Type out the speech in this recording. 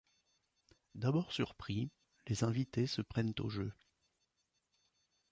D'abord surpris, les invités se prennent au jeu.